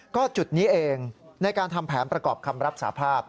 ก็จุดนี้เองในการทำแผนประกอบคำรับสาภาพ